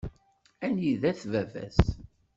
Anida-t baba-s?